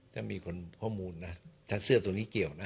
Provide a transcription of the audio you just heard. ถ้ามีคนข้อมูลนะถ้าเสื้อตัวนี้เกี่ยวนะ